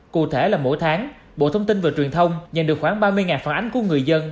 cụ thể là mỗi tháng bộ thông tin và truyền thông nhận được khoảng ba mươi phản ánh của người dân